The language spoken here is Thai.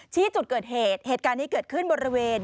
ชี้จุดเกิดเหตุเหตุการณ์นี้เกิดขึ้นบริเวณ